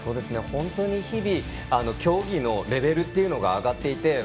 本当に日々競技のレベルというのが上がっていて。